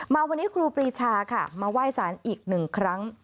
มาวันนี้ครูปรีชาค่ะมาไหว้สารอีกหนึ่งครั้ง